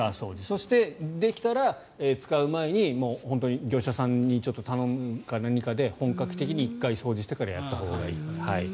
そして、できたら使う前に業者さんに頼むか何かで本格的に１回、掃除してからやったほうがいい。